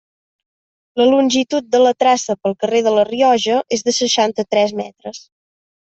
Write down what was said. La longitud de la traça pel carrer de La Rioja és de seixanta-tres metres.